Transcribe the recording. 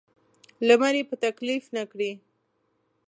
لمر یې په تکلیف نه کړي.